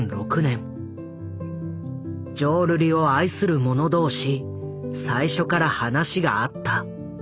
浄瑠璃を愛する者同士最初から話が合った。